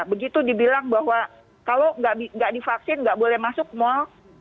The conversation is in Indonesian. begitu dibilang bahwa kalau tidak divaksin nggak boleh masuk mal